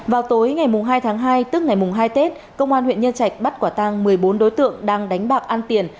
vào tối ngày hai tháng hai tức ngày hai tết công an huyện nhân trạch bắt quả tang một mươi bốn đối tượng đang đánh bạc ăn tiền